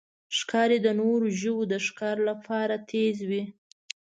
ښکاري د نورو ژوو د ښکار لپاره تیز وي.